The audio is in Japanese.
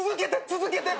続けて！